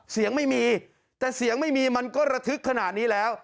เสียงไม่มีแต่เสียงไม่มีมันก็ระทึกขนาดนี้แล้ว